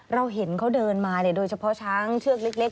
เราเห็นเขาเดินมาโดยเฉพาะช้างเชือกเล็ก